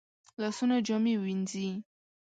لاسونه جامې وینځي